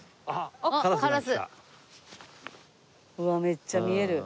めっちゃ見える。